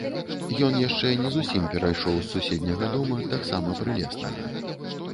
Ён яшчэ не зусім перайшоў з суседняга дома, таксама прылеснага.